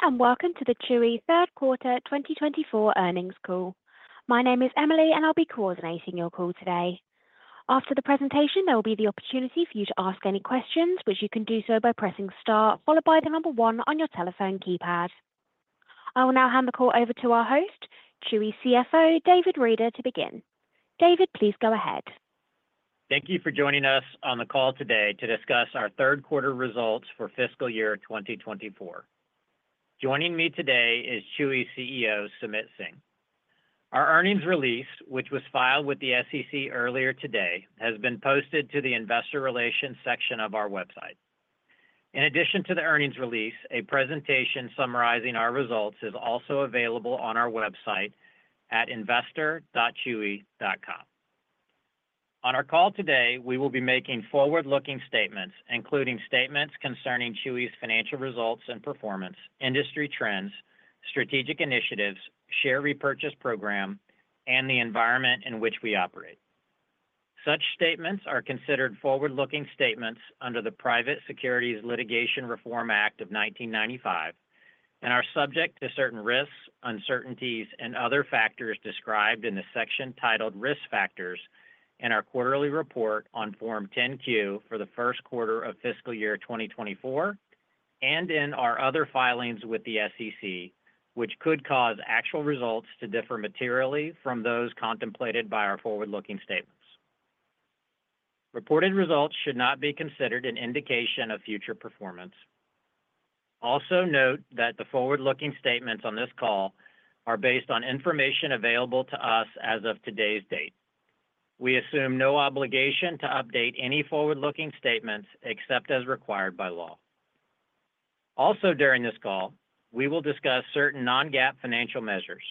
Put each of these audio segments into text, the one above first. Hello, everyone, and welcome to the Chewy third quarter 2024 earnings call. My name is Emily, and I'll be coordinating your call today. After the presentation, there will be the opportunity for you to ask any questions, which you can do so by pressing star followed by the number one on your telephone keypad. I will now hand the call over to our host, Chewy CFO David Reeder, to begin. David, please go ahead. Thank you for joining us on the call today to discuss our third quarter results for fiscal year 2024. Joining me today is Chewy CEO Sumit Singh. Our earnings release, which was filed with the SEC earlier today, has been posted to the investor relations section of our website. In addition to the earnings release, a presentation summarizing our results is also available on our website at investor.chewy.com. On our call today, we will be making forward-looking statements, including statements concerning Chewy's financial results and performance, industry trends, strategic initiatives, share repurchase program, and the environment in which we operate. Such statements are considered forward-looking statements under the Private Securities Litigation Reform Act of 1995 and are subject to certain risks, uncertainties, and other factors described in the section titled Risk Factors in our quarterly report on Form 10-Q for the first quarter of fiscal year 2024 and in our other filings with the SEC, which could cause actual results to differ materially from those contemplated by our forward-looking statements. Reported results should not be considered an indication of future performance. Also note that the forward-looking statements on this call are based on information available to us as of today's date. We assume no obligation to update any forward-looking statements except as required by law. Also during this call, we will discuss certain non-GAAP financial measures.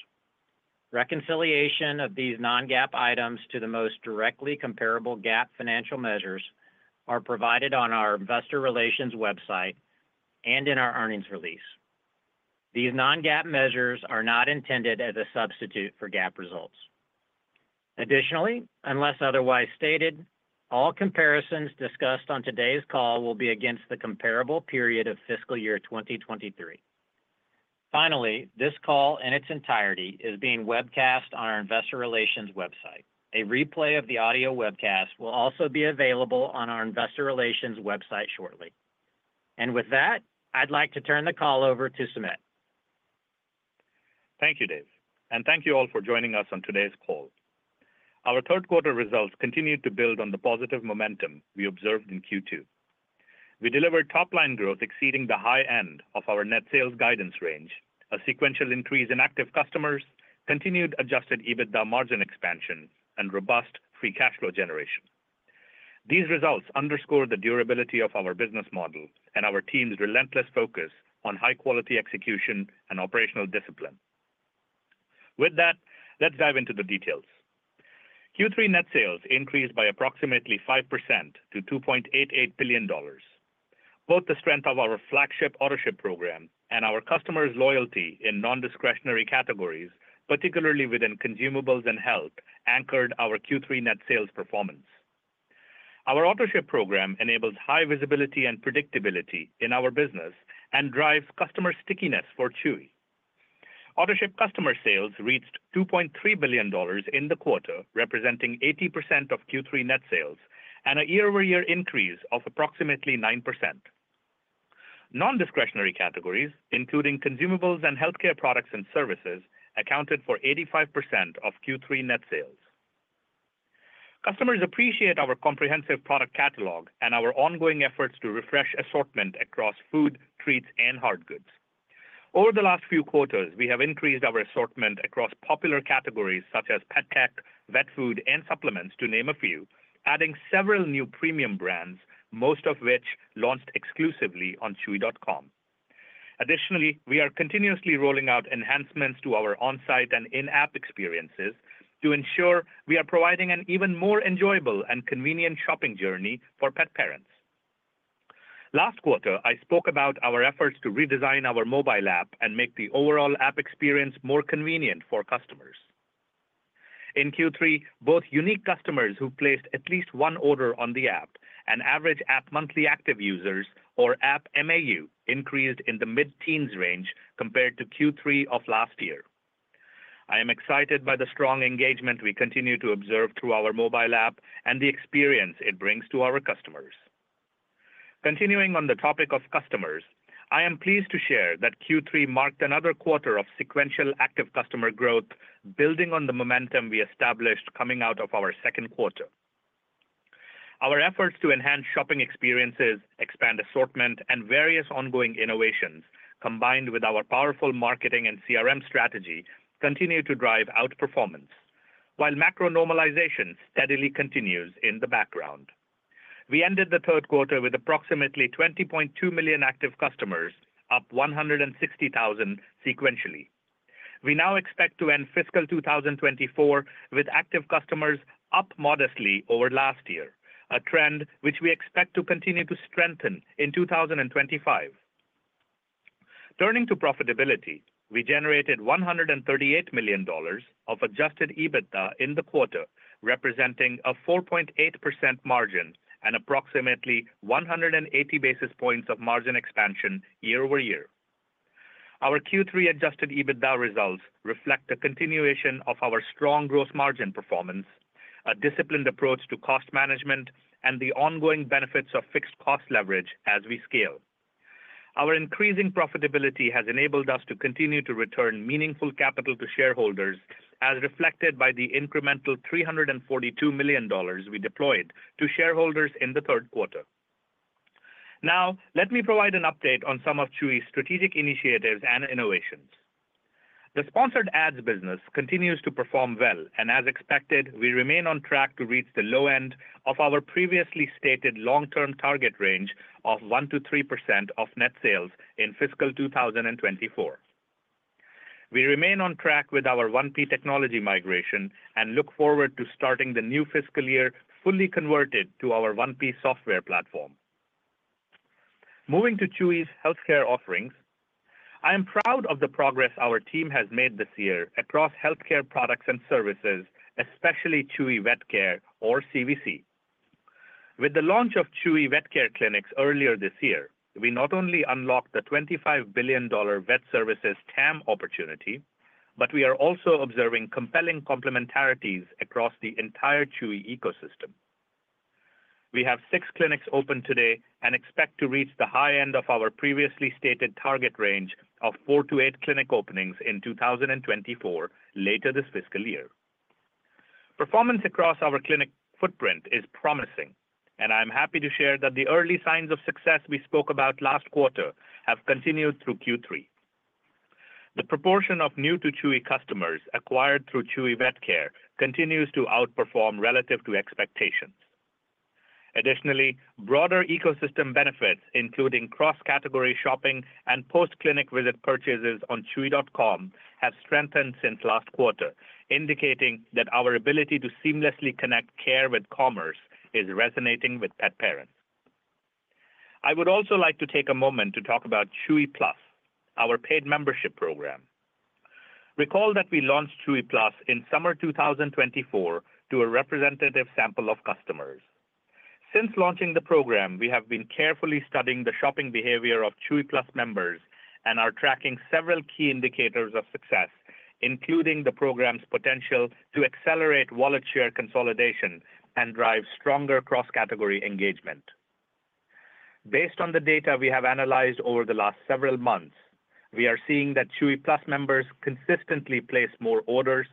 Reconciliation of these non-GAAP items to the most directly comparable GAAP financial measures is provided on our investor relations website and in our earnings release. These non-GAAP measures are not intended as a substitute for GAAP results. Additionally, unless otherwise stated, all comparisons discussed on today's call will be against the comparable period of fiscal year 2023. Finally, this call in its entirety is being webcast on our investor relations website. A replay of the audio webcast will also be available on our investor relations website shortly. And with that, I'd like to turn the call over to Sumit. Thank you, Dave, and thank you all for joining us on today's call. Our third quarter results continue to build on the positive momentum we observed in Q2. We delivered top-line growth exceeding the high end of our net sales guidance range, a sequential increase in active customers, continued Adjusted EBITDA margin expansion, and robust free cash flow generation. These results underscore the durability of our business model and our team's relentless focus on high-quality execution and operational discipline. With that, let's dive into the details. Q3 net sales increased by approximately 5% to $2.88 billion. Both the strength of our flagship Autoship program and our customers' loyalty in non-discretionary categories, particularly within consumables and health, anchored our Q3 net sales performance. Our Autoship program enables high visibility and predictability in our business and drives customer stickiness for Chewy. Autoship customer sales reached $2.3 billion in the quarter, representing 80% of Q3 net sales and a year-over-year increase of approximately 9%. Non-discretionary categories, including consumables and healthcare products and services, accounted for 85% of Q3 net sales. Customers appreciate our comprehensive product catalog and our ongoing efforts to refresh assortment across food, treats, and hardgoods. Over the few quarters, we have increased our assortment across popular categories such as pet tech, vet food, and supplements, to name a few, adding several new premium brands, most of which launched exclusively on chewy.com. Additionally, we are continuously rolling out enhancements to our on-site and in-app experiences to ensure we are providing an even more enjoyable and convenient shopping journey for pet parents. Last quarter, I spoke about our efforts to redesign our mobile app and make the overall app experience more convenient for customers. In Q3, both unique customers who placed at least one order on the app and average app monthly active users, or App MAU, increased in the mid-teens range compared to Q3 of last year. I am excited by the strong engagement we continue to observe through our mobile app and the experience it brings to our customers. Continuing on the topic of customers, I am pleased to share that Q3 marked another quarter of sequential active customer growth, building on the momentum we established coming out of our second quarter. Our efforts to enhance shopping experiences, expand assortment, and various ongoing innovations, combined with our powerful marketing and CRM strategy, continue to drive outperformance, while macro normalization steadily continues in the background. We ended the third quarter with approximately 20.2 million active customers, up 160,000 sequentially. We now expect to end fiscal 2024 with active customers up modestly over last year, a trend which we expect to continue to strengthen in 2025. Turning to profitability, we generated $138 million of adjusted EBITDA in the quarter, representing a 4.8% margin and approximately 180 basis points of margin expansion year-over-year. Our Q3 adjusted EBITDA results reflect the continuation of our strong gross margin performance, a disciplined approach to cost management, and the ongoing benefits of fixed cost leverage as we scale. Our increasing profitability has enabled us to continue to return meaningful capital to shareholders, as reflected by the incremental $342 million we deployed to shareholders in the third quarter. Now, let me provide an update on some of Chewy's strategic initiatives and innovations. The Sponsored Ads business continues to perform well, and as expected, we remain on track to reach the low end of our previously stated long-term target range of 1%-3% of net sales in fiscal 2024. We remain on track with our 1P technology migration and look forward to starting the new fiscal year fully converted to our 1P software platform. Moving to Chewy's healthcare offerings, I am proud of the progress our team has made this year across healthcare products and services, especially Chewy Vet Care, or CVC. With the launch of Chewy Vet Care clinics earlier this year, we not only unlocked the $25 billion vet services TAM opportunity, but we are also observing compelling complementarities across the entire Chewy ecosystem. We have six clinics open today and expect to reach the high end of our previously stated target range of four to eight clinic openings in 2024 later this fiscal year. Performance across our clinic footprint is promising, and I am happy to share that the early signs of success we spoke about last quarter have continued through Q3. The proportion of new-to-Chewy customers acquired through Chewy Vet Care continues to outperform relative to expectations. Additionally, broader ecosystem benefits, including cross-category shopping and post-clinic visit purchases on chewy.com, have strengthened since last quarter, indicating that our ability to seamlessly connect care with commerce is resonating with pet parents. I would also like to take a moment to talk about hardgoods, our paid membership program. Recall that we launched Chewy Plus in summer 2024 to a representative sample of customers. Since launching the program, we have been carefully studying the shopping behavior of Chewy Plus members and are tracking several key indicators of success, including the program's potential to accelerate wallet share consolidation and drive stronger cross-category engagement. Based on the data we have analyzed over the last several months, we are seeing that Chewy Plus members consistently place more orders,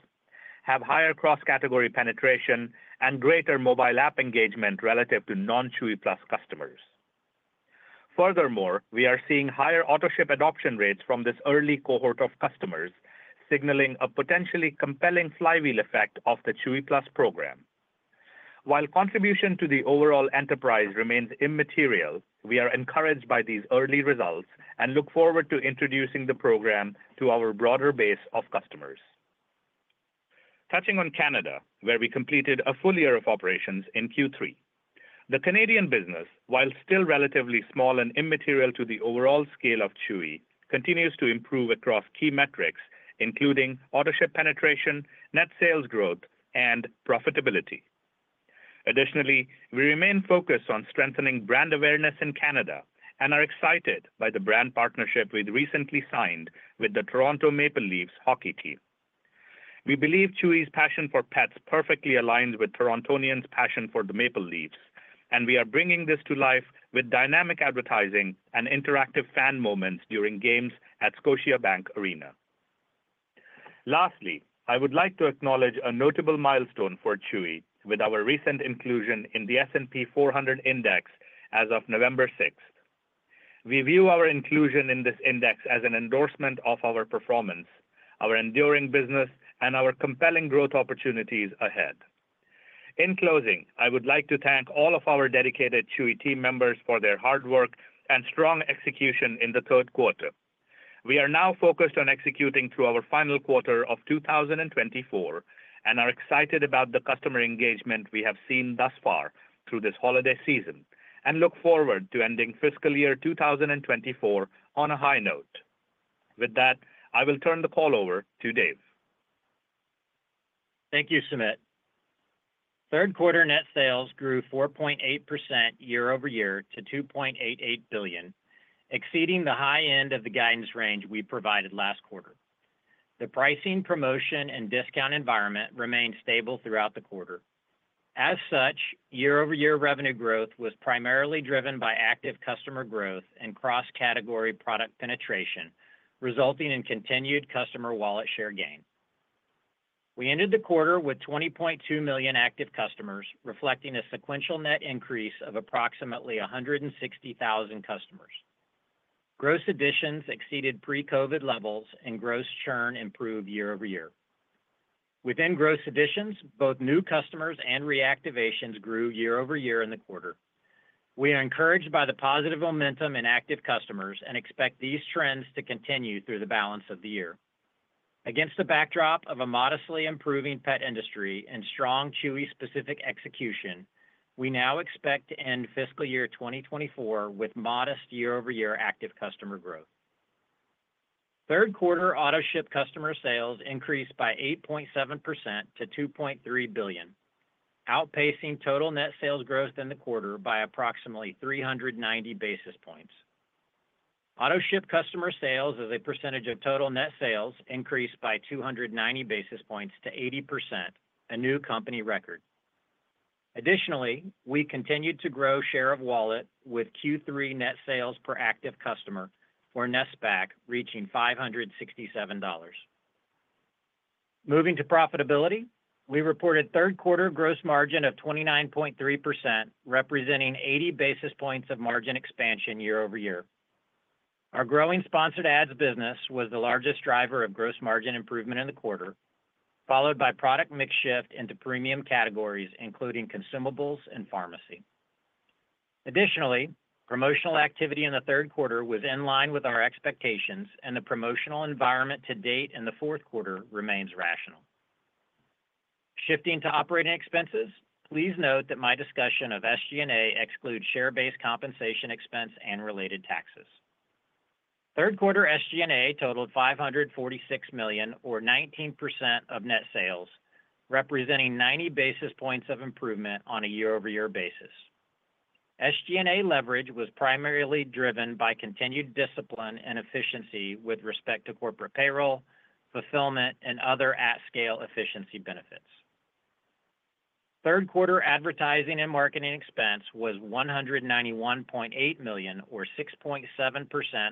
have higher cross-category penetration, and greater mobile app engagement relative to non-Chewy Plus customers. Furthermore, we are seeing higher Autoship adoption rates from this early cohort of customers, signaling a potentially compelling flywheel effect of the Chewy Plus program. While contribution to the overall enterprise remains immaterial, we are encouraged by these early results and look forward to introducing the program to our broader base of customers. Touching on Canada, where we completed a full year of operations in Q3, the Canadian business, while still relatively small and immaterial to the overall scale of Chewy, continues to improve across key metrics, including Autoship penetration, net sales growth, and profitability. Additionally, we remain focused on strengthening brand awareness in Canada and are excited by the brand partnership we've recently signed with the Toronto Maple Leafs hockey team. We believe Chewy's passion for pets perfectly aligns with Torontonians' passion for the Maple Leafs, and we are bringing this to life with dynamic advertising and interactive fan moments during games at Scotiabank Arena. Lastly, I would like to acknowledge a notable milestone for Chewy with our recent inclusion in the S&P 400 Index as of November 6th. We view our inclusion in this index as an endorsement of our performance, our enduring business, and our compelling growth opportunities ahead. In closing, I would like to thank all of our dedicated Chewy team members for their hard work and strong execution in the third quarter. We are now focused on executing through our final quarter of 2024 and are excited about the customer engagement we have seen thus far through this holiday season and look forward to ending fiscal year 2024 on a high note. With that, I will turn the call over to Dave. Thank you, Sumit. Third quarter net sales grew 4.8% year-over-year to $2.88 billion, exceeding the high end of the guidance range we provided last quarter. The pricing, promotion, and discount environment remained stable throughout the quarter. As such, year-over-year revenue growth was primarily driven by active customer growth and cross-category product penetration, resulting in continued customer wallet share gain. We ended the quarter with 20.2 million active customers, reflecting a sequential net increase of approximately 160,000 customers. Gross additions exceeded pre-COVID levels, and gross churn improved year-over-year. Within gross additions, both new customers and reactivations grew year-over-year in the quarter. We are encouraged by the positive momentum in active customers and expect these trends to continue through the balance of the year. Against the backdrop of a modestly improving pet industry and strong Chewy-specific execution, we now expect to end fiscal year 2024 with modest year-over-year active customer growth. Third quarter Autoship customer sales increased by 8.7% to $2.3 billion, outpacing total net sales growth in the quarter by approximately 390 basis points. Autoship customer sales as a percentage of total net sales increased by 290 basis points to 80%, a new company record. Additionally, we continued to grow share of wallet with Q3 net sales per active customer, or NESPAC, reaching $567. Moving to profitability, we reported third quarter gross margin of 29.3%, representing 80 basis points of margin expansion year-over-year. Our growing Sponsored Ads business was the largest driver of gross margin improvement in the quarter, followed by product mix shift into premium categories, including consumables and pharmacy. Additionally, promotional activity in the third quarter was in line with our expectations, and the promotional environment to date in the fourth quarter remains rational. Shifting to operating expenses, please note that my discussion of SG&A excludes share-based compensation expense and related taxes. Third quarter SG&A totaled $546 million, or 19% of net sales, representing 90 basis points of improvement on a year-over-year basis. SG&A leverage was primarily driven by continued discipline and efficiency with respect to corporate payroll, fulfillment, and other at-scale efficiency benefits. Third quarter advertising and marketing expense was $191.8 million, or 6.7%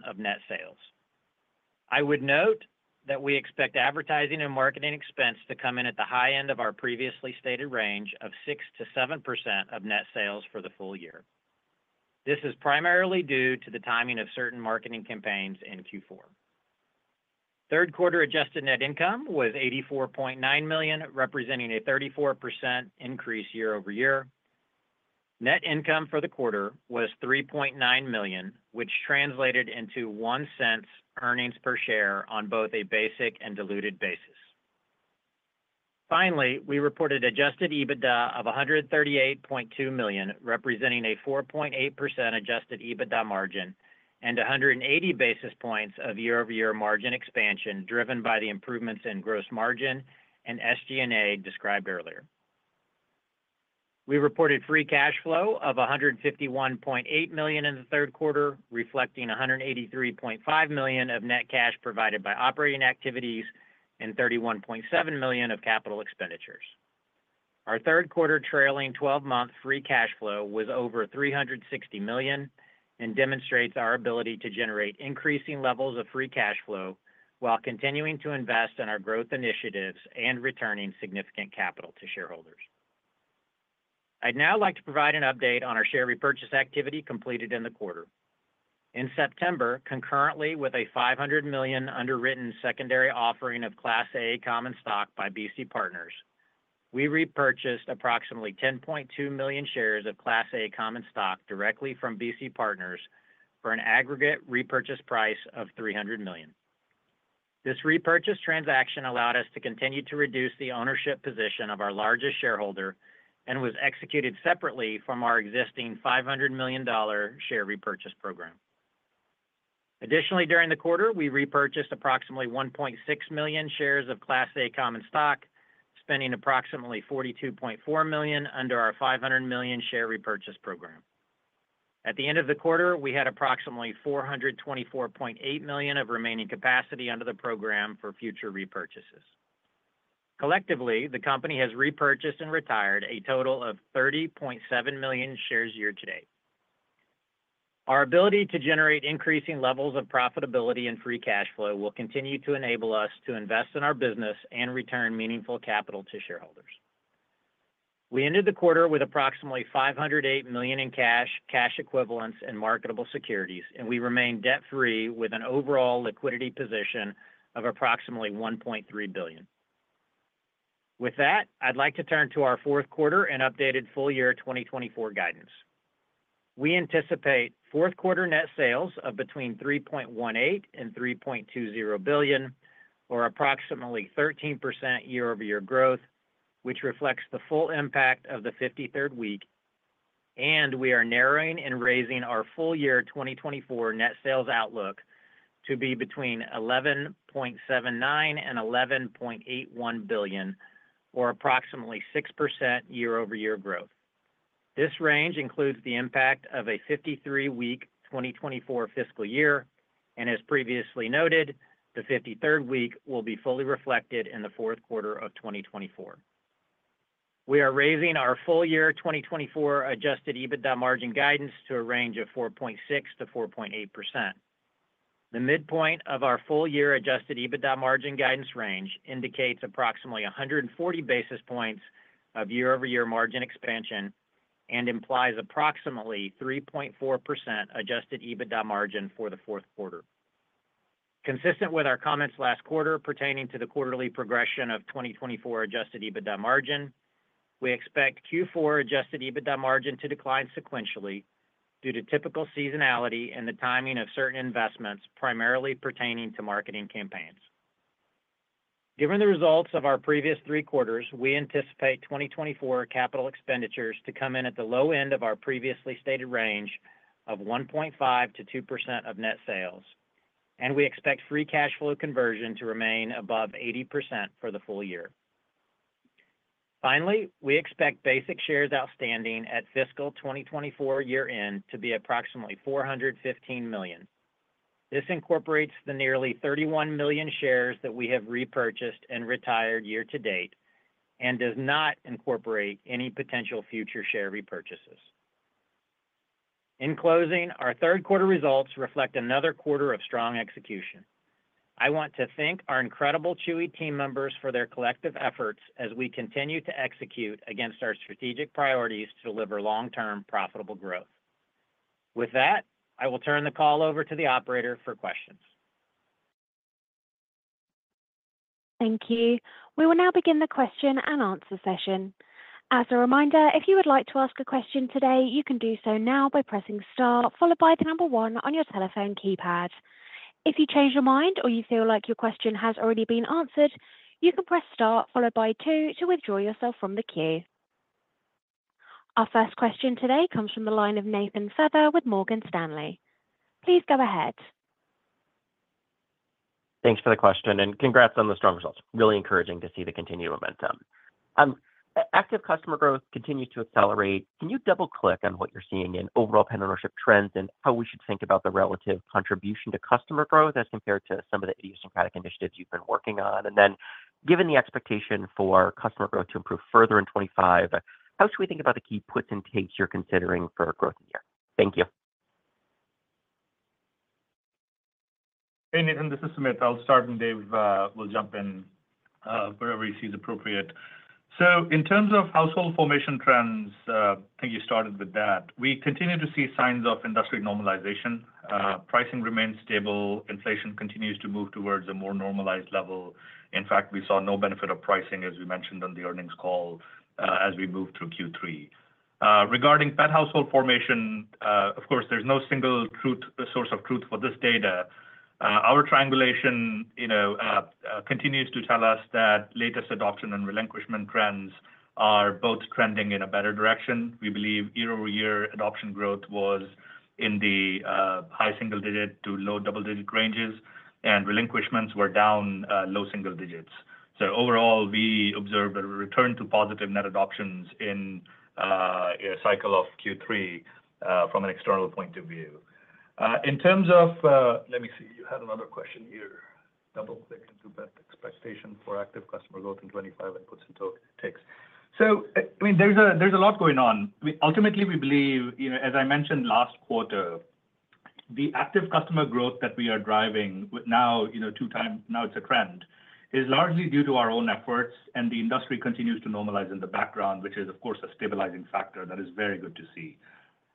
of net sales. I would note that we expect advertising and marketing expense to come in at the high end of our previously stated range of 6%-7% of net sales for the full year. This is primarily due to the timing of certain marketing campaigns in Q4. Third quarter adjusted net income was $84.9 million, representing a 34% increase year-over-year. Net income for the quarter was $3.9 million, which translated into $0.01 earnings per share on both a basic and diluted basis. Finally, we reported Adjusted EBITDA of $138.2 million, representing a 4.8% Adjusted EBITDA margin and 180 basis points of year-over-year margin expansion driven by the improvements in gross margin and SG&A described earlier. We reported free cash flow of $151.8 million in the third quarter, reflecting $183.5 million of net cash provided by operating activities and $31.7 million of capital expenditures. Our third quarter trailing 12-month free cash flow was over $360 million and demonstrates our ability to generate increasing levels of free cash flow while continuing to invest in our growth initiatives and returning significant capital to shareholders. I'd now like to provide an update on our share repurchase activity completed in the quarter. In September, concurrently with a $500 million underwritten secondary offering of Class A Common Stock by BC Partners, we repurchased approximately 10.2 million shares of Class A Common Stock directly from BC Partners for an aggregate repurchase price of $300 million. This repurchase transaction allowed us to continue to reduce the ownership position of our largest shareholder and was executed separately from our existing $500 million share repurchase program. Additionally, during the quarter, we repurchased approximately 1.6 million shares of Class A Common Stock, spending approximately $42.4 million under our $500 million share repurchase program. At the end of the quarter, we had approximately $424.8 million of remaining capacity under the program for future repurchases. Collectively, the company has repurchased and retired a total of 30.7 million shares year-to-date. Our ability to generate increasing levels of profitability and free cash flow will continue to enable us to invest in our business and return meaningful capital to shareholders. We ended the quarter with approximately $508 million in cash, cash equivalents, and marketable securities, and we remain debt-free with an overall liquidity position of approximately $1.3 billion. With that, I'd like to turn to our fourth quarter and updated full year 2024 guidance. We anticipate fourth quarter net sales of between $3.18 and $3.20 billion, or approximately 13% year-over-year growth, which reflects the full impact of the 53rd week, and we are narrowing and raising our full year 2024 net sales outlook to be between $11.79 and $11.81 billion, or approximately 6% year-over-year growth. This range includes the impact of a 53-week 2024 fiscal year, and as previously noted, the 53rd week will be fully reflected in the fourth quarter of 2024. We are raising our full year 2024 Adjusted EBITDA margin guidance to a range of 4.6%-4.8%. The midpoint of our full year Adjusted EBITDA margin guidance range indicates approximately 140 basis points of year-over-year margin expansion and implies approximately 3.4% Adjusted EBITDA margin for the fourth quarter. Consistent with our comments last quarter pertaining to the quarterly progression of 2024 Adjusted EBITDA margin, we expect Q4 Adjusted EBITDA margin to decline sequentially due to typical seasonality and the timing of certain investments primarily pertaining to marketing campaigns. Given the results of our previous three quarters, we anticipate 2024 capital expenditures to come in at the low end of our previously stated range of 1.5%-2% of net sales, and we expect free cash flow conversion to remain above 80% for the full year. Finally, we expect basic shares outstanding at fiscal 2024 year-end to be approximately 415 million. This incorporates the nearly 31 million shares that we have repurchased and retired year-to-date and does not incorporate any potential future share repurchases. In closing, our third quarter results reflect another quarter of strong execution. I want to thank our incredible Chewy team members for their collective efforts as we continue to execute against our strategic priorities to deliver long-term profitable growth. With that, I will turn the call over to the operator for questions. Thank you. We will now begin the question and answer session. As a reminder, if you would like to ask a question today, you can do so now by pressing star, followed by the number one on your telephone keypad. If you change your mind or you feel like your question has already been answered, you can press star, followed by two, to withdraw yourself from the queue. Our first question today comes from the line of Nathan Feather with Morgan Stanley. Please go ahead. Thanks for the question, and congrats on the strong results. Really encouraging to see the continued momentum. Active customer growth continues to accelerate. Can you double-click on what you're seeing in overall pet ownership trends and how we should think about the relative contribution to customer growth as compared to some of the idiosyncratic initiatives you've been working on? And then, given the expectation for customer growth to improve further in 2025, how should we think about the key puts and takes you're considering for growth in the year? Thank you. Hey, Nathan, this is Sumit. I'll start, and Dave will jump in wherever he sees appropriate. So, in terms of household formation trends, I think you started with that. We continue to see signs of industry normalization. Pricing remains stable. Inflation continues to move towards a more normalized level. In fact, we saw no benefit of pricing, as we mentioned on the earnings call as we moved through Q3. Regarding pet household formation, of course, there's no single source of truth for this data. Our triangulation continues to tell us that latest adoption and relinquishment trends are both trending in a better direction. We believe year-over-year adoption growth was in the high single-digit to low double-digit ranges, and relinquishments were down low single digits. So, overall, we observed a return to positive net adoptions in a cycle of Q3 from an external point of view. In terms of, let me see, you had another question here. Double-click into pet expectation for active customer growth in 2025 and puts and takes. So, I mean, there's a lot going on. Ultimately, we believe, as I mentioned last quarter, the active customer growth that we are driving now, two times now it's a trend, is largely due to our own efforts, and the industry continues to normalize in the background, which is, of course, a stabilizing factor that is very good to see.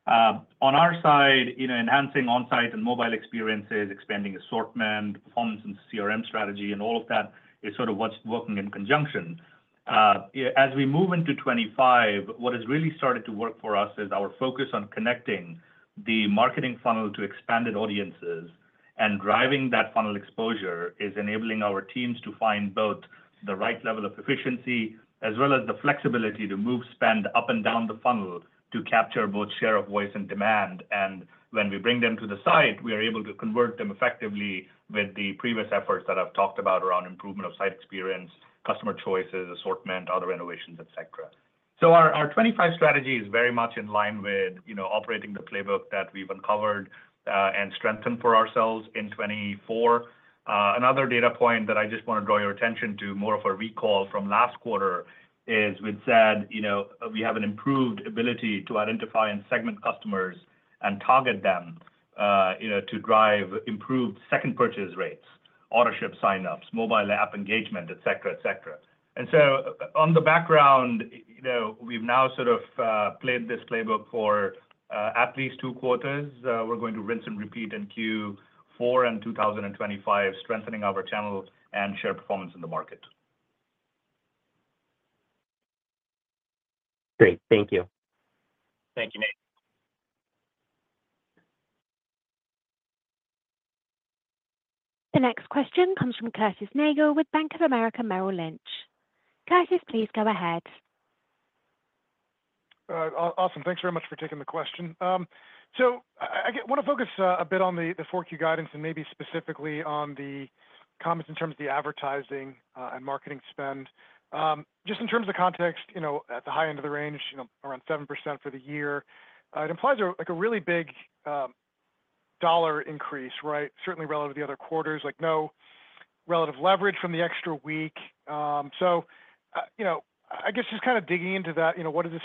On our side, enhancing on-site and mobile experiences, expanding assortment, performance, and CRM strategy, and all of that is sort of what's working in conjunction. As we move into 2025, what has really started to work for us is our focus on connecting the marketing funnel to expanded audiences, and driving that funnel exposure is enabling our teams to find both the right level of efficiency as well as the flexibility to move, spend up and down the funnel to capture both share of voice and demand, and when we bring them to the site, we are able to convert them effectively with the previous efforts that I've talked about around improvement of site experience, customer choices, assortment, other innovations, etc. So our 2025 strategy is very much in line with operating the playbook that we've uncovered and strengthened for ourselves in 2024. Another data point that I just want to draw your attention to, more of a recall from last quarter, is we'd said we have an improved ability to identify and segment customers and target them to drive improved second purchase rates, Autoship sign-ups, mobile app engagement, etc., etc., and so, in the background, we've now sort of played this playbook for at least two quarters. We're going to rinse and repeat in Q4 and 2025, strengthening our channel and share performance in the market. Great. Thank you. Thank you, Nate. The next question comes from Curtis Nagle with Bank of America Merrill Lynch. Curtis, please go ahead. Awesome. Thanks very much for taking the question. So, I want to focus a bit on the Q4 guidance and maybe specifically on the comments in terms of the advertising and marketing spend. Just in terms of context, at the high end of the range, around 7% for the year, it implies a really big dollar increase, right? Certainly relative to the other quarters, no relative leverage from the extra week. So, I guess just kind of digging into that, what does the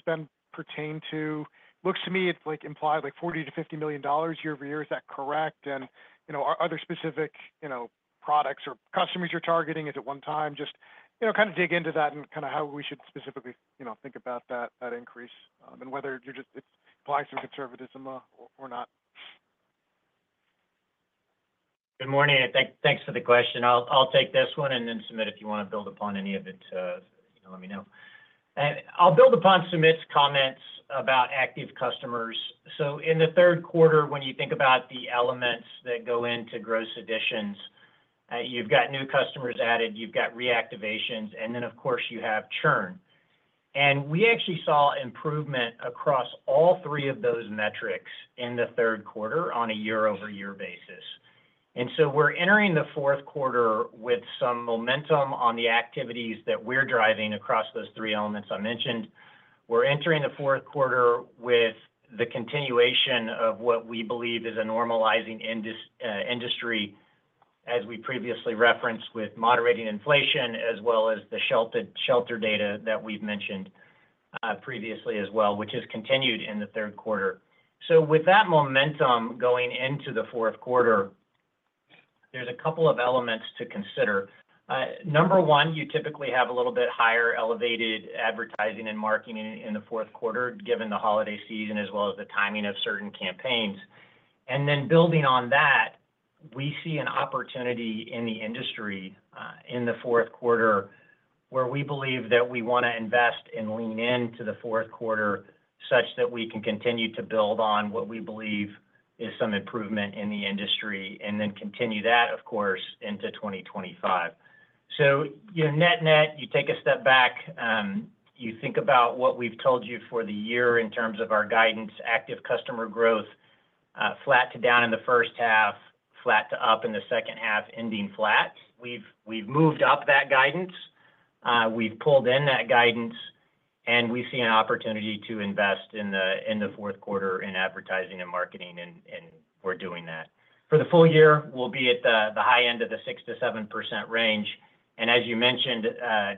spend pertain to? Looks to me it implies like $40-$50 million year-over-year. Is that correct? And are there specific products or customers you're targeting? Is it one time? Just kind of dig into that and kind of how we should specifically think about that increase and whether it's applying some conservatism or not. Good morning. Thanks for the question. I'll take this one and then Sumit if you want to build upon any of it, let me know. I'll build upon Sumit's comments about active customers. So, in the third quarter, when you think about the elements that go into gross additions, you've got new customers added, you've got reactivations, and then, of course, you have churn. And we actually saw improvement across all three of those metrics in the third quarter on a year-over-year basis. And so, we're entering the fourth quarter with some momentum on the activities that we're driving across those three elements I mentioned. We're entering the fourth quarter with the continuation of what we believe is a normalizing industry, as we previously referenced, with moderating inflation as well as the shelter data that we've mentioned previously as well, which has continued in the third quarter. So, with that momentum going into the fourth quarter, there's a couple of elements to consider. Number one, you typically have a little bit higher elevated advertising and marketing in the fourth quarter, given the holiday season as well as the timing of certain campaigns. And then, building on that, we see an opportunity in the industry in the fourth quarter where we believe that we want to invest and lean into the fourth quarter such that we can continue to build on what we believe is some improvement in the industry and then continue that, of course, into 2025. So, net-net, you take a step back, you think about what we've told you for the year in terms of our guidance, active customer growth flat to down in the first half, flat to up in the second half, ending flat. We've moved up that guidance. We've pulled in that guidance, and we see an opportunity to invest in the fourth quarter in advertising and marketing, and we're doing that. For the full year, we'll be at the high end of the 6%-7% range, and as you mentioned,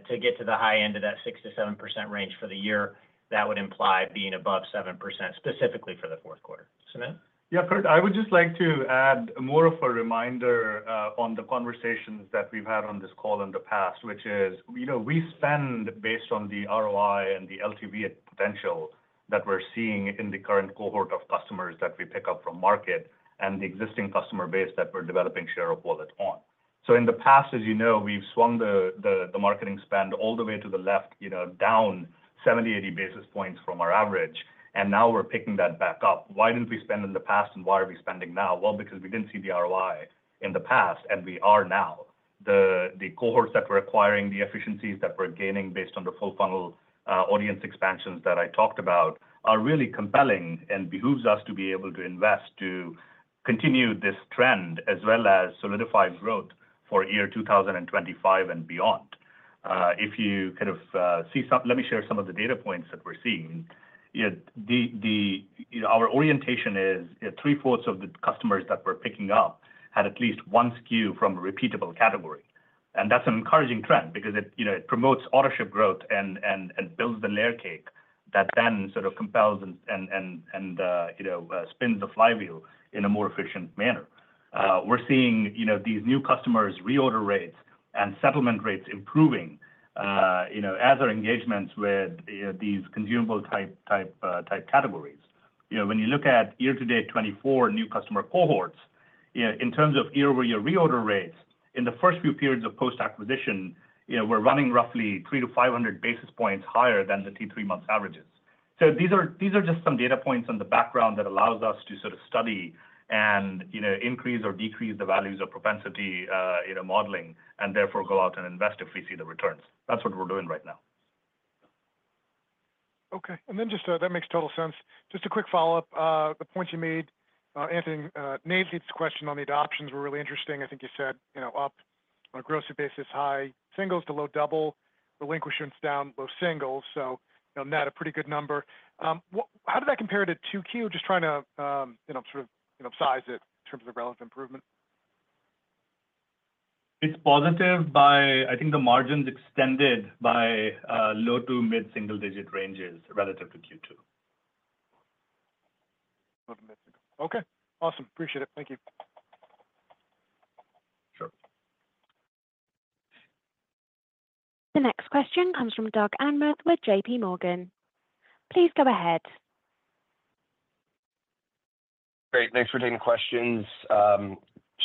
to get to the high end of that 6%-7% range for the year, that would imply being above 7% specifically for the fourth quarter. Sumit? Yeah, Curt, I would just like to add more of a reminder on the conversations that we've had on this call in the past, which is we spend based on the ROI and the LTV potential that we're seeing in the current cohort of customers that we pick up from market and the existing customer base that we're developing share of wallet on. So, in the past, as you know, we've swung the marketing spend all the way to the left, down 70-80 basis points from our average, and now we're picking that back up. Why didn't we spend in the past, and why are we spending now? Well, because we didn't see the ROI in the past, and we are now. The cohorts that we're acquiring, the efficiencies that we're gaining based on the full funnel audience expansions that I talked about are really compelling and behooves us to be able to invest to continue this trend as well as solidify growth for year 2025 and beyond. If you kind of see something, let me share some of the data points that we're seeing. Our orientation is three-fourths of the customers that we're picking up had at least one SKU from a repeatable category. And that's an encouraging trend because it promotes acquisition growth and builds the layer cake that then sort of compels and spins the flywheel in a more efficient manner. We're seeing these new customers' reorder rates and retention rates improving as are engagements with these consumable-type categories. When you look at year-to-date 2024 new customer cohorts, in terms of year-over-year reorder rates, in the first few periods of post-acquisition, we're running roughly 3-500 basis points higher than the T3 months averages. So, these are just some data points on the background that allows us to sort of study and increase or decrease the values of propensity modeling and therefore go out and invest if we see the returns. That's what we're doing right now. Okay. And then just that makes total sense. Just a quick follow-up. The points you made, Nate's question on the adoptions were really interesting. I think you said up on a gross basis, high singles to low double, relinquishments down low singles. So, net, a pretty good number. How does that compare to QQ? Just trying to sort of size it in terms of the relative improvement. It's positive by, I think, the margins extended by low- to mid-single-digit ranges relative to Q2. Okay. Awesome. Appreciate it. Thank you. Sure. The next question comes from Doug Anmuth with JPMorgan. Please go ahead. Great. Thanks for taking questions.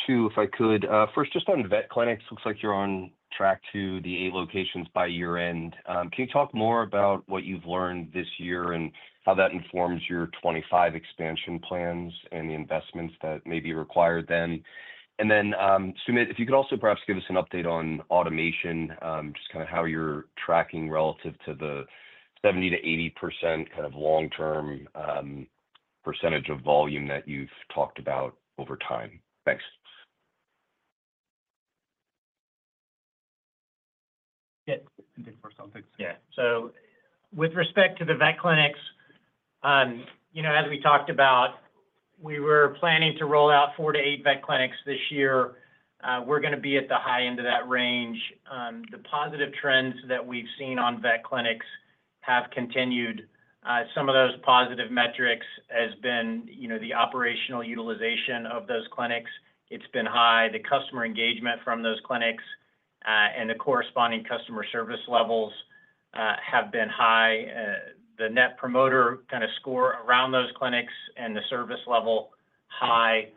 Two, if I could. First, just on vet clinics, looks like you're on track to the eight locations by year-end. Can you talk more about what you've learned this year and how that informs your 2025 expansion plans and the investments that may be required then? And then, Sumit, if you could also perhaps give us an update on automation, just kind of how you're tracking relative to the 70%-80% kind of long-term percentage of volume that you've talked about over time. Thanks. Yeah. I think we're still fixed. Yeah. So, with respect to the vet clinics, as we talked about, we were planning to roll out four to eight vet clinics this year. We're going to be at the high end of that range. The positive trends that we've seen on vet clinics have continued. Some of those positive metrics have been the operational utilization of those clinics. It's been high. The customer engagement from those clinics and the corresponding customer service levels have been high. The net promoter kind of score around those clinics and the service level, high.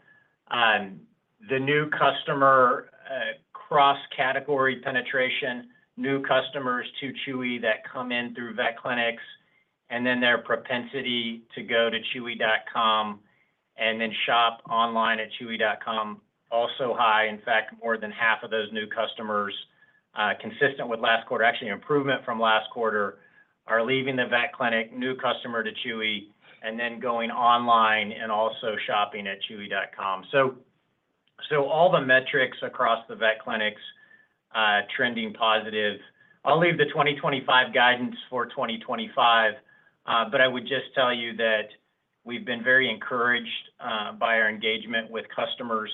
The new customer cross-category penetration, new customers to Chewy that come in through vet clinics, and then their propensity to go to chewy.com and then shop online at chewy.com, also high. In fact, more than half of those new customers, consistent with last quarter, actually improvement from last quarter, are leaving the vet clinic, new customer to Chewy, and then going online and also shopping at chewy.com. So, all the metrics across the vet clinics trending positive. I'll leave the 2025 guidance for 2025, but I would just tell you that we've been very encouraged by our engagement with customers.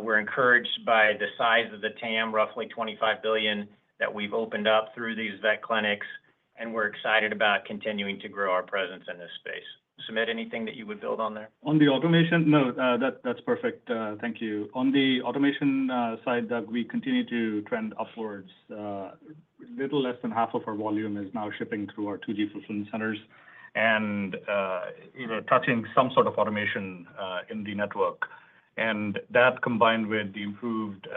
We're encouraged by the size of the TAM, roughly $25 billion that we've opened up through these vet clinics, and we're excited about continuing to grow our presence in this space. Sumit, anything that you would build on there? On the automation, no, that's perfect. Thank you. On the automation side, Doug, we continue to trend upwards. A little less than half of our volume is now shipping through our Chewy fulfillment centers and touching some sort of automation in the network. And that combined with the improved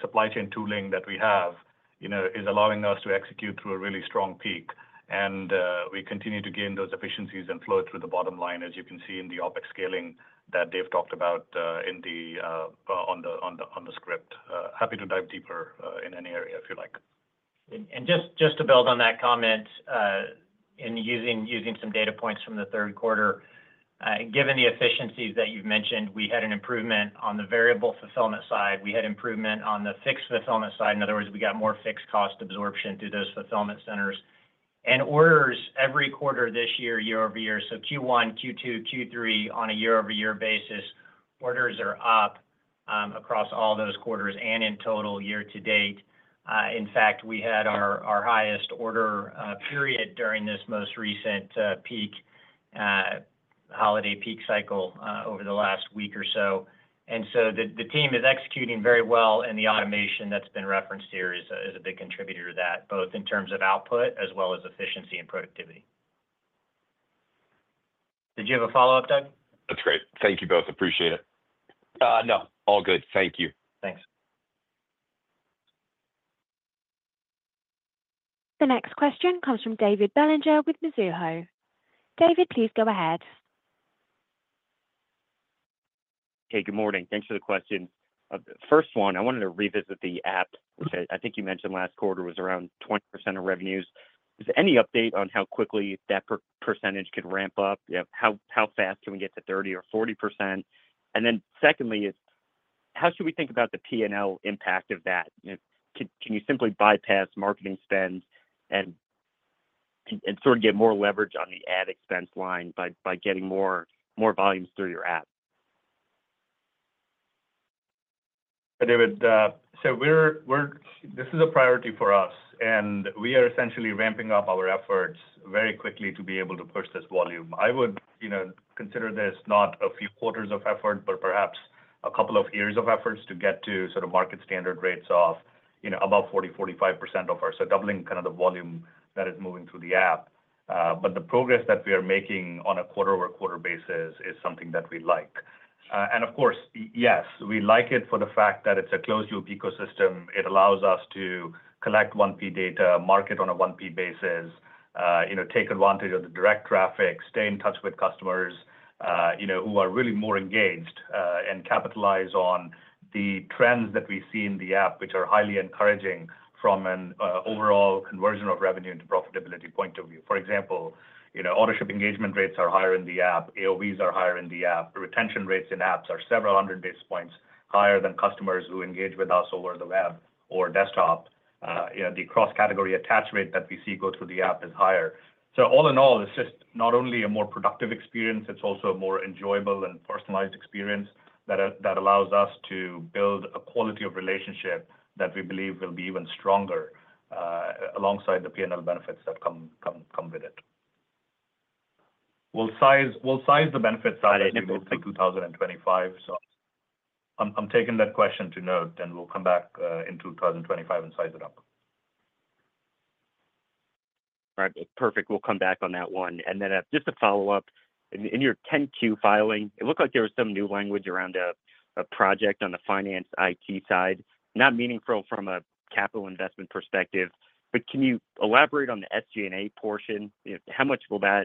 supply chain tooling that we have is allowing us to execute through a really strong peak. And we continue to gain those efficiencies and flow through the bottom line, as you can see in the OpEx scaling that Dave talked about on the script. Happy to dive deeper in any area if you like. And just to build on that comment and using some data points from the third quarter, given the efficiencies that you've mentioned, we had an improvement on the variable fulfillment side. We had improvement on the fixed fulfillment side. In other words, we got more fixed cost absorption through those fulfillment centers. And orders every quarter this year, year-over-year, so Q1, Q2, Q3 on a year-over-year basis, orders are up across all those quarters and in total year-to-date. In fact, we had our highest order period during this most recent peak, holiday peak cycle over the last week or so. And so, the team is executing very well, and the automation that's been referenced here is a big contributor to that, both in terms of output as well as efficiency and productivity. Did you have a follow-up, Doug? That's great. Thank you both. Appreciate it. No. All good. Thank you. Thanks. The next question comes from David Bellinger with Mizuho. David, please go ahead. Hey, good morning. Thanks for the questions. First one, I wanted to revisit the app, which I think you mentioned last quarter was around 20% of revenues. Is there any update on how quickly that percentage could ramp up? How fast can we get to 30% or 40%? And then secondly, how should we think about the P&L impact of that? Can you simply bypass marketing spend and sort of get more leverage on the ad expense line by getting more volumes through your app? This is a priority for us, and we are essentially ramping up our efforts very quickly to be able to push this volume. I would consider this not a few quarters of effort, but perhaps a couple of years of efforts to get to sort of market standard rates of about 40%-45% of our, so doubling kind of the volume that is moving through the app. But the progress that we are making on a quarter-over-quarter basis is something that we like. Of course, yes, we like it for the fact that it's a closed-loop ecosystem. It allows us to collect 1P data, market on a 1P basis, take advantage of the direct traffic, stay in touch with customers who are really more engaged, and capitalize on the trends that we see in the app, which are highly encouraging from an overall conversion of revenue and profitability point of view. For example, app user engagement rates are higher in the app, AOVs are higher in the app, retention rates in apps are several hundred basis points higher than customers who engage with us over the web or desktop. The cross-category attach rate that we see go through the app is higher. So, all in all, it's just not only a more productive experience, it's also a more enjoyable and personalized experience that allows us to build a quality of relationship that we believe will be even stronger alongside the P&L benefits that come with it. We'll size the benefits out into mid-2025. So, I'm taking that question to note, and we'll come back in 2025 and size it up. All right. Perfect. We'll come back on that one, and then just a follow-up. In your 10-Q filing, it looked like there was some new language around a project on the finance IT side, not meaningful from a capital investment perspective, but can you elaborate on the SG&A portion? How much will that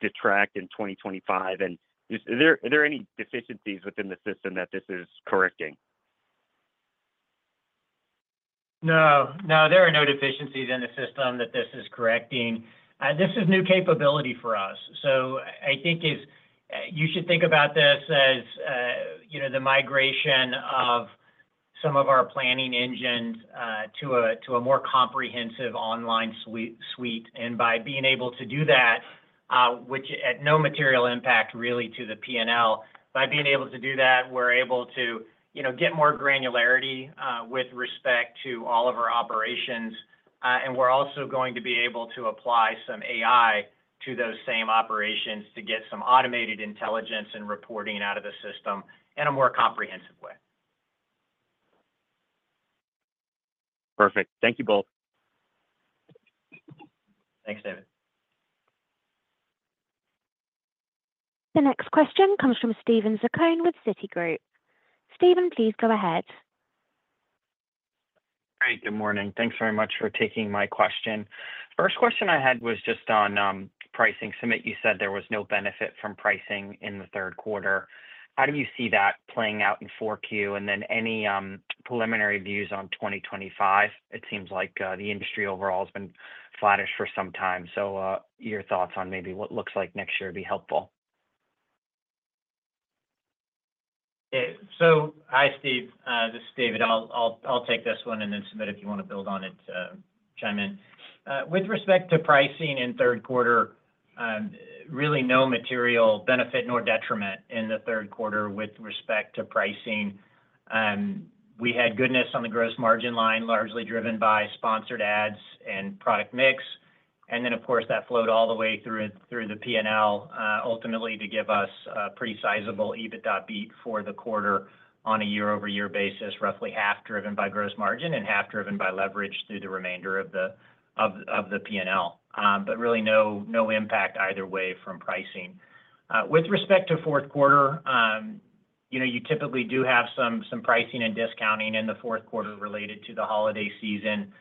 detract in 2025? And are there any deficiencies within the system that this is correcting? No. No, there are no deficiencies in the system that this is correcting. This is new capability for us. So, I think you should think about this as the migration of some of our planning engines to a more comprehensive online suite. And by being able to do that, which at no material impact really to the P&L, by being able to do that, we're able to get more granularity with respect to all of our operations. And we're also going to be able to apply some AI to those same operations to get some automated intelligence and reporting out of the system in a more comprehensive way. Perfect. Thank you both. Thanks, David. The next question comes from Steven Zaccone with Citigroup. Steven, please go ahead. Great. Good morning. Thanks very much for taking my question. First question I had was just on pricing. Sumit, you said there was no benefit from pricing in the third quarter. How do you see that playing out in 4Q? And then any preliminary views on 2025? It seems like the industry overall has been flattish for some time. So, your thoughts on maybe what looks like next year would be helpful. Hi, Steve. This is David. I'll take this one and then Sumit if you want to build on it, chime in. With respect to pricing in third quarter, really no material benefit nor detriment in the third quarter with respect to pricing. We had goodness on the gross margin line, largely driven by Sponsored Ads and Product Mix. And then, of course, that flowed all the way through the P&L, ultimately to give us a pretty sizable EBITDA beat for the quarter on a year-over-year basis, roughly half driven by gross margin and half driven by leverage through the remainder of the P&L, but really no impact either way from pricing. With respect to fourth quarter, you typically do have some pricing and discounting in the fourth quarter related to the holiday season.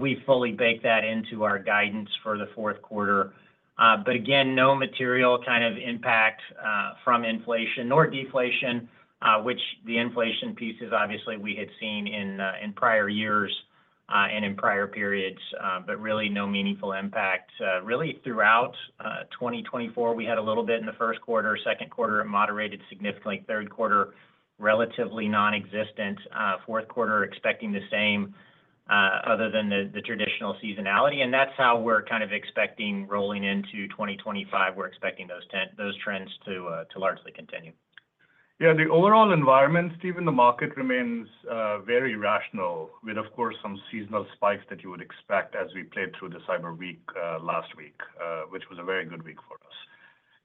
We fully baked that into our guidance for the fourth quarter. But again, no material kind of impact from inflation nor deflation, which the inflation piece is obviously we had seen in prior years and in prior periods, but really no meaningful impact. Really throughout 2024, we had a little bit in the first quarter, second quarter it moderated significantly, third quarter relatively nonexistent, fourth quarter expecting the same other than the traditional seasonality. And that's how we're kind of expecting rolling into 2025. We're expecting those trends to largely continue. Yeah. The overall environment, Steven, the market remains very rational with, of course, some seasonal spikes that you would expect as we played through the Cyber Week last week, which was a very good week for us.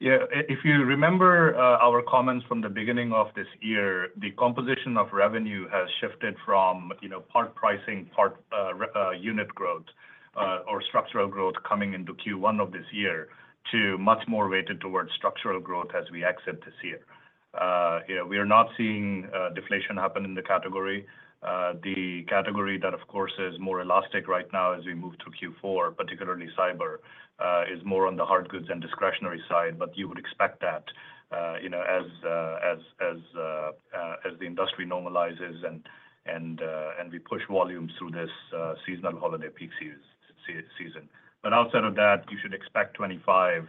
Yeah. If you remember our comments from the beginning of this year, the composition of revenue has shifted from part pricing, part unit growth, or structural growth coming into Q1 of this year to much more weighted towards structural growth as we exit this year. We are not seeing deflation happen in the category. The category that, of course, is more elastic right now as we move through Q4, particularly cyber, is more on the hardgoods and discretionary side, but you would expect that as the industry normalizes and we push volumes through this seasonal holiday peak season. But outside of that, you should expect 2025.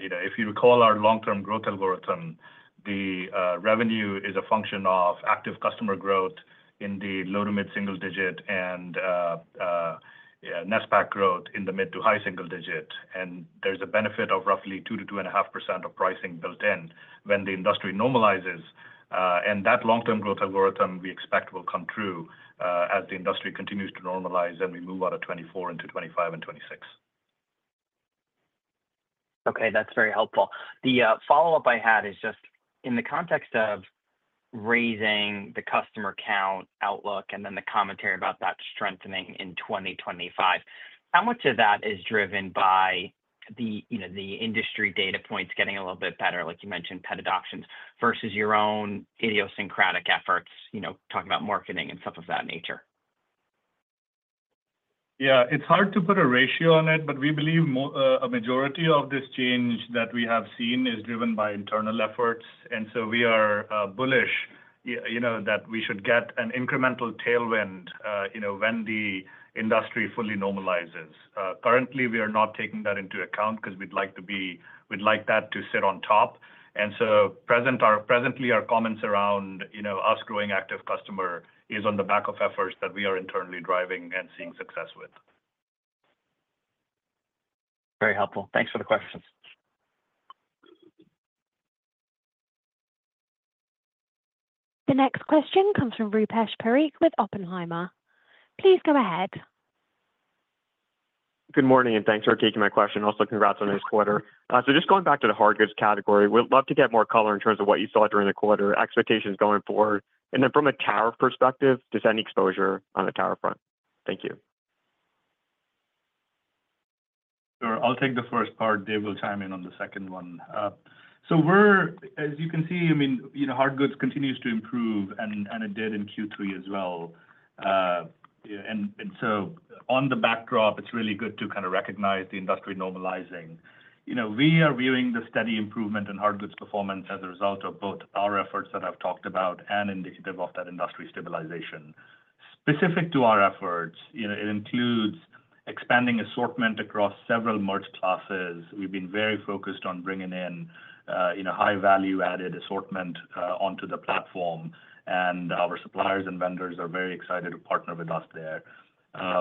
If you recall our long-term growth algorithm, the revenue is a function of active customer growth in the low- to mid-single-digit and NESPAC growth in the mid- to high-single-digit, and there's a benefit of roughly 2%-2.5% of pricing built in when the industry normalizes, and that long-term growth algorithm we expect will come true as the industry continues to normalize and we move out of 2024 into 2025 and 2026. Okay. That's very helpful. The follow-up I had is just in the context of raising the customer count outlook and then the commentary about that strengthening in 2025, how much of that is driven by the industry data points getting a little bit better, like you mentioned, pet adoptions versus your own idiosyncratic efforts, talking about marketing and stuff of that nature? Yeah. It's hard to put a ratio on it, but we believe a majority of this change that we have seen is driven by internal efforts. And so, we are bullish that we should get an incremental tailwind when the industry fully normalizes. Currently, we are not taking that into account because we'd like that to sit on top. And so, presently, our comments around us growing active customer is on the back of efforts that we are internally driving and seeing success with. Very helpful. Thanks for the questions. The next question comes from Rupesh Parikh with Oppenheimer. Please go ahead. Good morning and thanks for taking my question. Also, congrats on this quarter. So, just going back to the hardgoods category, we'd love to get more color in terms of what you saw during the quarter, expectations going forward. And then from a tariff perspective, does any exposure on the tariff front? Thank you. Sure. I'll take the first part. Dave will chime in on the second one. So, as you can see, I mean, hardgoods continues to improve, and it did in Q3 as well. And so, on the backdrop, it's really good to kind of recognize the industry normalizing. We are viewing the steady improvement in hardgoods performance as a result of both our efforts that I've talked about and indicative of that industry stabilization. Specific to our efforts, it includes expanding assortment across several merch classes. We've been very focused on bringing in high-value-added assortment onto the platform, and our suppliers and vendors are very excited to partner with us there.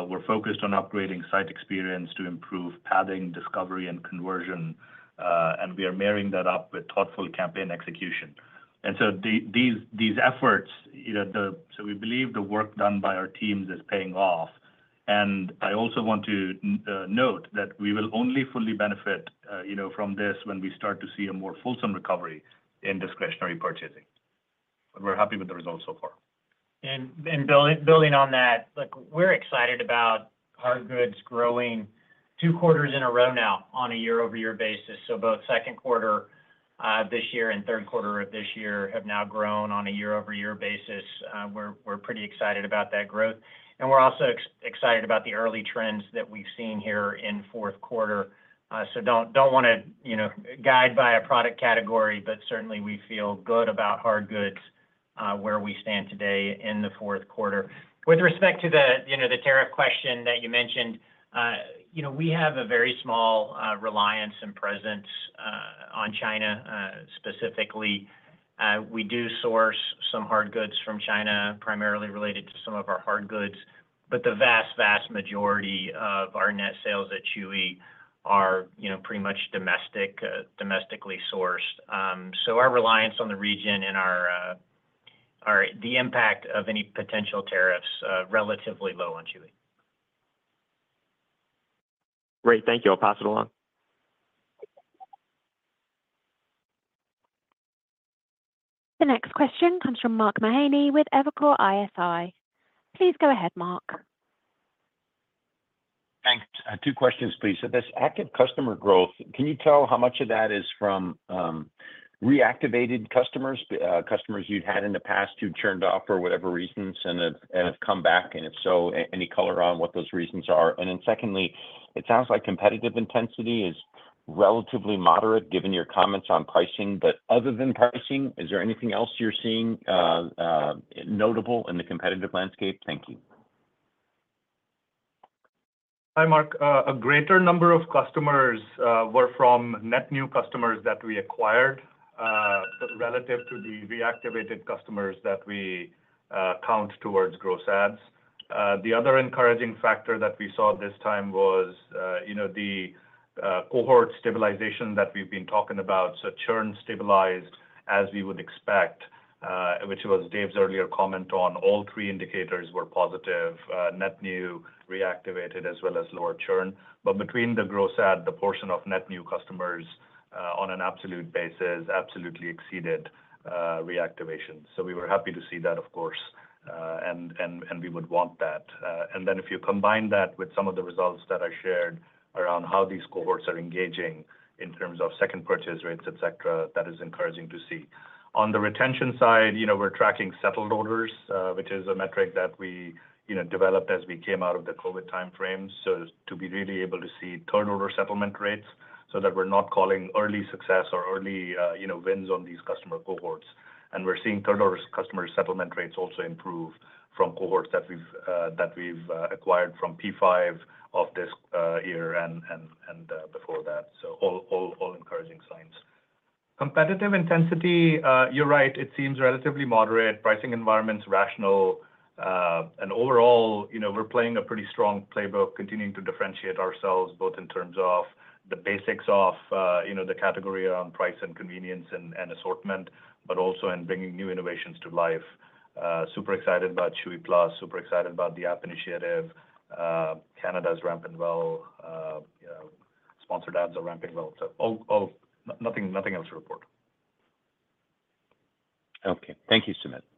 We're focused on upgrading site experience to improve navigation, discovery, and conversion, and we are marrying that up with thoughtful campaign execution. And so, these efforts, so we believe the work done by our teams is paying off. And I also want to note that we will only fully benefit from this when we start to see a more fulsome recovery in discretionary purchasing. But we're happy with the results so far. And building on that, we're excited about hardgoods growing two quarters in a row now on a year-over-year basis. So, both second quarter of this year and third quarter of this year have now grown on a year-over-year basis. We're pretty excited about that growth. And we're also excited about the early trends that we've seen here in fourth quarter. So, don't want to guide by a product category, but certainly, we feel good about hardgoods where we stand today in the fourth quarter. With respect to the tariff question that you mentioned, we have a very small reliance and presence on China specifically. We do source some hardgoods from China, primarily related to some of our hardgoods, but the vast, vast majority of our net sales at Chewy are pretty much domestically sourced. Our reliance on the region and the impact of any potential tariffs is relatively low on Chewy. Great. Thank you. I'll pass it along. The next question comes from Mark Mahaney with Evercore ISI. Please go ahead, Mark. Thanks. Two questions, please. So, this active customer growth, can you tell how much of that is from reactivated customers, customers you'd had in the past who turned off for whatever reasons and have come back? And if so, any color on what those reasons are? And then secondly, it sounds like competitive intensity is relatively moderate given your comments on pricing. But other than pricing, is there anything else you're seeing notable in the competitive landscape? Thank you. Hi, Mark. A greater number of customers were from net new customers that we acquired relative to the reactivated customers that we count towards gross adds. The other encouraging factor that we saw this time was the cohort stabilization that we've been talking about, so churn stabilized as we would expect, which was Dave's earlier comment on all three indicators were positive, net new, reactivated, as well as lower churn, but between the gross add, the portion of net new customers on an absolute basis absolutely exceeded reactivation, so we were happy to see that, of course. And we would want that, and then if you combine that with some of the results that I shared around how these cohorts are engaging in terms of second purchase rates, etc., that is encouraging to see. On the retention side, we're tracking settled orders, which is a metric that we developed as we came out of the COVID timeframe. So, to be really able to see third-order settlement rates so that we're not calling early success or early wins on these customer cohorts. And we're seeing third-order customer settlement rates also improve from cohorts that we've acquired from P5 of this year and before that. So, all encouraging signs. Competitive intensity, you're right, it seems relatively moderate. Pricing environment's rational. And overall, we're playing a pretty strong playbook, continuing to differentiate ourselves both in terms of the basics of the category around price and convenience and assortment, but also in bringing new innovations to life. Super excited about Chewy Plus, super excited about the app initiative. Canada's ramping well, sponsored ads are ramping well. So, nothing else to report. Okay. Thank you, Sumit. Sure.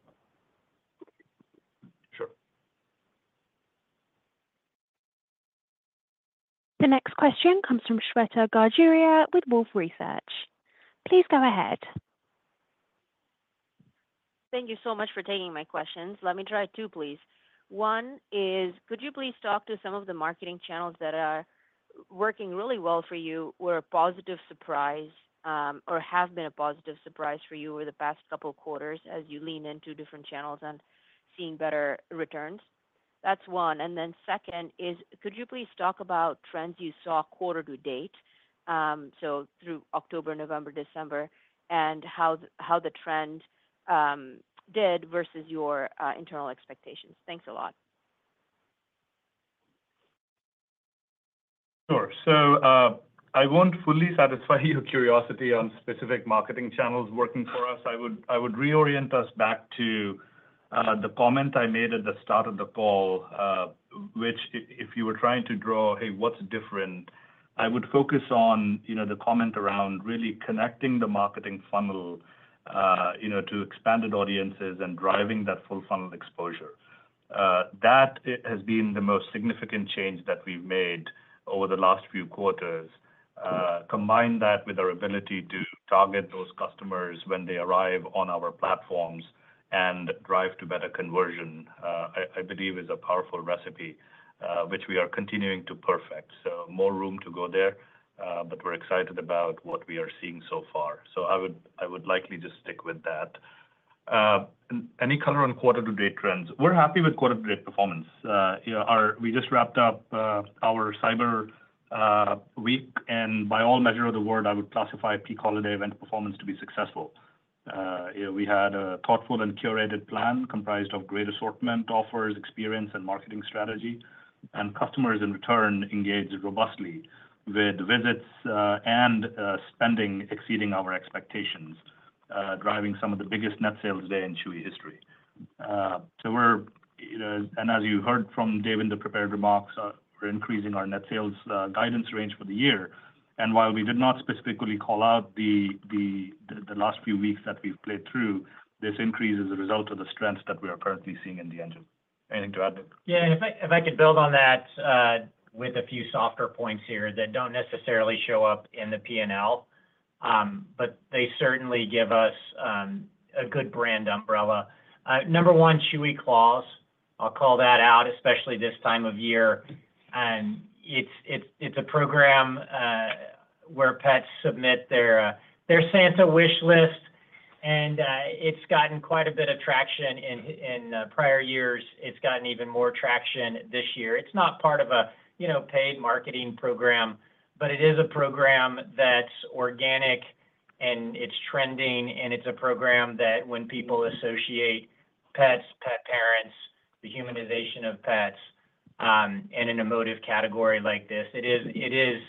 The next question comes from Shweta Khajuria with Wolfe Research. Please go ahead. Thank you so much for taking my questions. Let me try two, please. One is, could you please talk to some of the marketing channels that are working really well for you or a positive surprise or have been a positive surprise for you over the past couple of quarters as you lean into different channels and seeing better returns? That's one. And then second is, could you please talk about trends you saw quarter to date, so through October, November, December, and how the trend did versus your internal expectations? Thanks a lot. Sure. So, I won't fully satisfy your curiosity on specific marketing channels working for us. I would reorient us back to the comment I made at the start of the call, which if you were trying to draw, hey, what's different, I would focus on the comment around really connecting the marketing funnel to expanded audiences and driving that full funnel exposure. That has been the most significant change that we've made over the last few quarters. Combine that with our ability to target those customers when they arrive on our platforms and drive to better conversion, I believe, is a powerful recipe which we are continuing to perfect. So, more room to go there, but we're excited about what we are seeing so far. So, I would likely just stick with that. Any color on quarter-to-date trends? We're happy with quarter-to-date performance. We just wrapped up our Cyber Week, and by all measure of the word, I would classify peak holiday event performance to be successful. We had a thoughtful and curated plan comprised of great assortment, offers, experience, and marketing strategy, and customers in return engaged robustly with visits and spending exceeding our expectations, driving some of the biggest net sales day in Chewy history, so we're, and as you heard from Dave in the prepared remarks, we're increasing our net sales guidance range for the year, and while we did not specifically call out the last few weeks that we've played through, this increase is a result of the strength that we are currently seeing in the engine. Anything to add? Yeah. If I could build on that with a few softer points here that don't necessarily show up in the P&L, but they certainly give us a good brand umbrella. Number one, Chewy Claus. I'll call that out, especially this time of year, and it's a program where pets submit their Santa wish list, and it's gotten quite a bit of traction. In prior years, it's gotten even more traction this year. It's not part of a paid marketing program, but it is a program that's organic, and it's trending, and it's a program that when people associate pets, pet parents, the humanization of pets in an emotive category like this, it is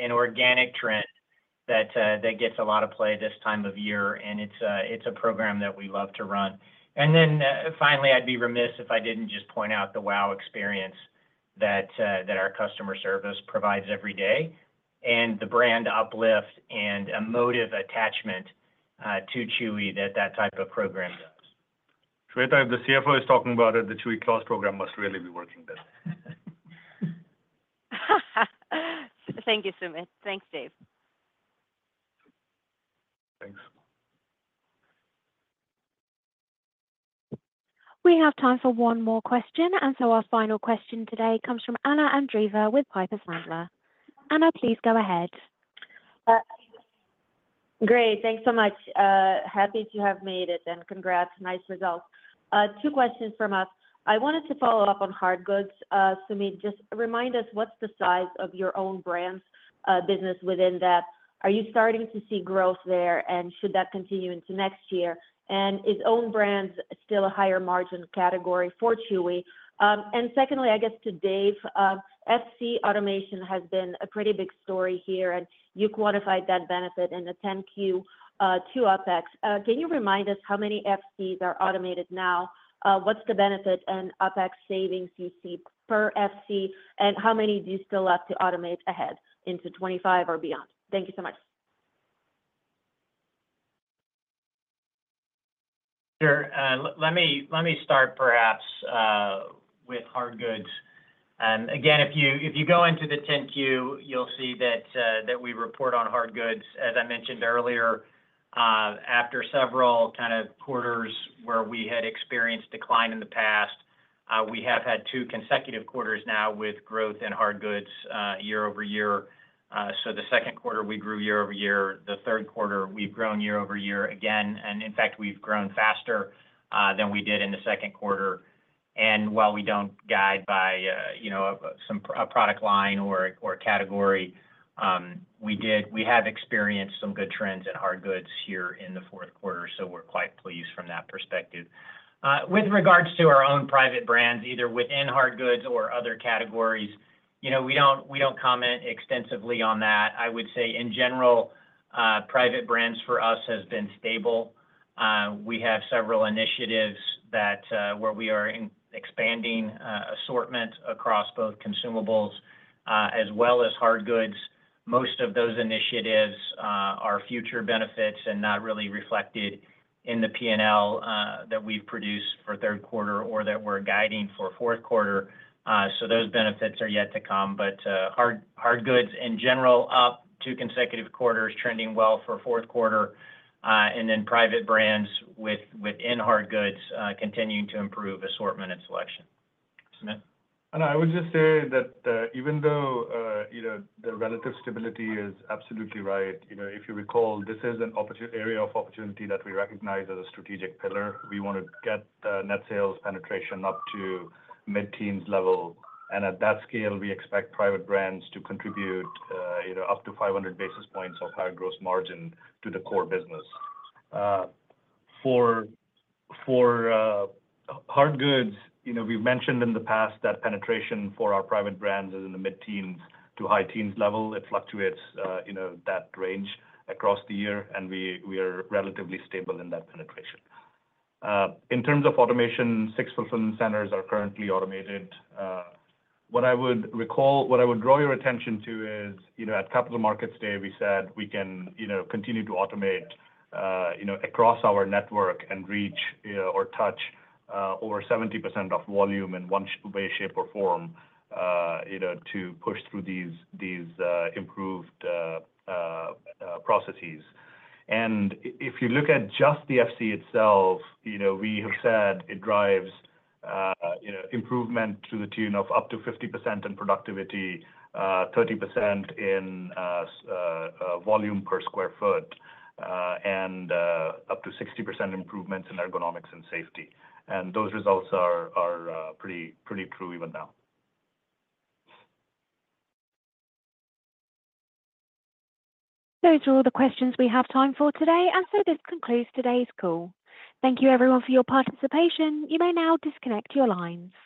an organic trend that gets a lot of play this time of year, and it's a program that we love to run. And then finally, I'd be remiss if I didn't just point out the wow experience that our customer service provides every day and the brand uplift and emotive attachment to Chewy that that type of program does. Shweta, if the CFO is talking about it, the Chewy Claus program must really be working there. Thank you, Sumit. Thanks, Dave. Thanks. We have time for one more question, and so our final question today comes from Anna Andreeva with Piper Sandler. Anna, please go ahead. Great. Thanks so much. Happy to have made it, and congrats. Nice results. Two questions from us. I wanted to follow up on hardgoods. Sumit, just remind us, what's the size of your own brands business within that? Are you starting to see growth there, and should that continue into next year? And is own brands still a higher margin category for Chewy? And secondly, I guess to Dave, FC automation has been a pretty big story here, and you quantified that benefit in a 10-Q to OpEx. Can you remind us how many FCs are automated now? What's the benefit and OpEx savings you see per FC, and how many do you still have to automate ahead into 2025 or beyond? Thank you so much. Sure. Let me start perhaps with hardgoods, and again, if you go into the 10-Q, you'll see that we report on hardgoods. As I mentioned earlier, after several kind of quarters where we had experienced decline in the past, we have had two consecutive quarters now with growth in hardgoods year over year, so the second quarter, we grew year over year. The third quarter, we've grown year over year again, and in fact, we've grown faster than we did in the second quarter, and while we don't guide by a product line or category, we have experienced some good trends in hardgoods here in the fourth quarter, so we're quite pleased from that perspective. With regards to our own private brands, either within hardgoods or other categories, we don't comment extensively on that. I would say, in general, private brands for us have been stable. We have several initiatives where we are expanding assortment across both consumables as well as hardgoods. Most of those initiatives are future benefits and not really reflected in the P&L that we've produced for third quarter or that we're guiding for fourth quarter. So, those benefits are yet to come. But hardgoods in general, up two consecutive quarters, trending well for fourth quarter. And then private brands within hardgoods continuing to improve assortment and selection. Sumit? And I would just say that even though the relative stability is absolutely right, if you recall, this is an area of opportunity that we recognize as a strategic pillar. We want to get net sales penetration up to mid-teens level. And at that scale, we expect private brands to contribute up to 500 basis points of higher gross margin to the core business. For hardgoods, we've mentioned in the past that penetration for our private brands is in the mid-teens to high-teens level. It fluctuates that range across the year, and we are relatively stable in that penetration. In terms of automation, six fulfillment centers are currently automated. What I would recall, what I would draw your attention to is at Capital Markets Day, we said we can continue to automate across our network and reach or touch over 70% of volume in one way, shape, or form to push through these improved processes. And if you look at just the FC itself, we have said it drives improvement to the tune of up to 50% in productivity, 30% in volume per sq ft, and up to 60% improvements in ergonomics and safety. And those results are pretty true even now. Those are all the questions we have time for today. And so this concludes today's call. Thank you, everyone, for your participation. You may now disconnect your lines.